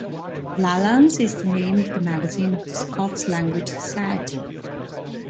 "Lallans" is the name of the magazine of the Scots Language Society.